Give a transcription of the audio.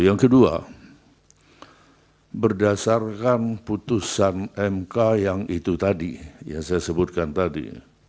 yang kedua berdasarkan putusan mk yang itu tadi yang saya sebutkan tadi